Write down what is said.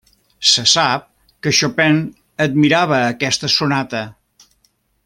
Se sap que Chopin admirava aquesta sonata.